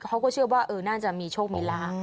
เขาก็เชื่อว่าน่าจะมีโชคมีลาบ